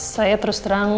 saya terus terang